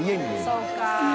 そうか。